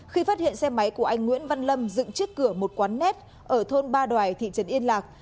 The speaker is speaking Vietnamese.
khi phát hiện xe máy của anh nguyễn văn lâm dựng trước cửa một quán net ở thôn ba đoài thị trấn yên lạc